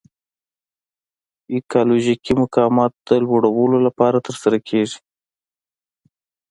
ایکالوژیکي مقاومت د لوړلولو لپاره ترسره کیږي.